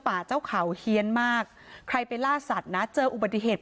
พระเจ้าที่อยู่ในเมืองของพระเจ้า